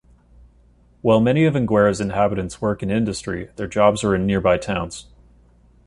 While many of Enguera's inhabitants work in industry, their jobs are in nearby towns.